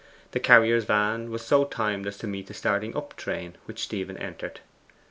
The carrier's van was so timed as to meet a starting up train, which Stephen entered.